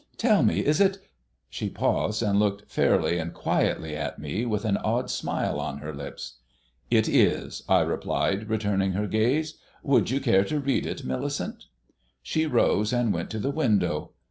Tell me, is it ?" She paused, and looked fairly and quietly at me, with an odd smile on her lips. "It is," I replied, returning her gaze. "Would you care to read it, Millicent?" She rose and went to the window.